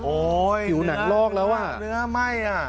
โอ้ยเนื้อไหม้อ่ะ